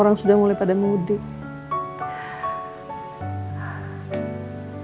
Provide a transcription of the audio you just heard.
oh ini semua berita di portal